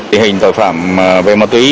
vì hình tội phạm ma túy